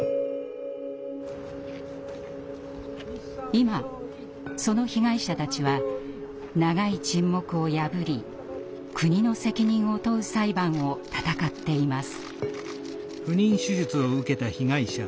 今その被害者たちは長い沈黙を破り国の責任を問う裁判を闘っています。